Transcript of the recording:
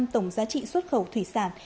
tổng giá trị xuất khẩu thủy sản